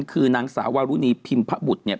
คือนางสาววารุณีพิมพบุตรเนี่ย